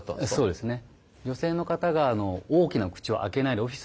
そうですね。